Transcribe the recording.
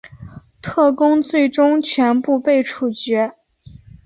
特工最终全部被处决。